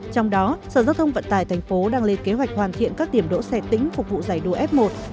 trong đó sở giao thông vận tải tp đang lên kế hoạch hoàn thiện các điểm đỗ xe tỉnh phục vụ giải đua f một